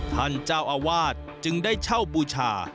ท่านเจ้าอาวาสจึงได้เช่าบูชา